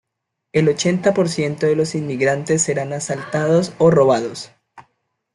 El ochenta por ciento de los inmigrantes serán asaltados o robados.